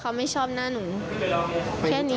กลุ่มวัยรุ่นฝั่งพระแดง